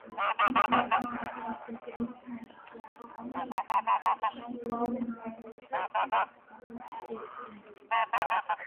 Բազմաթիւ դպրոցներ կը փակուին, եւ միսիոնարները կը հեռանան երկրէն։